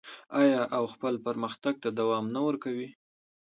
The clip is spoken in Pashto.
آیا او خپل پرمختګ ته دوام نه ورکوي؟